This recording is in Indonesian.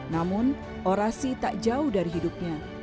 namun orasi tak jauh dari hidupnya